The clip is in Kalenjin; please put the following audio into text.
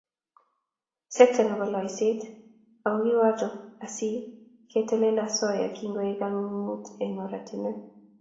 sekta nebo loiseet ako kiwato asi ketelelel asoya ne kikoek kanaguut eng oratinweek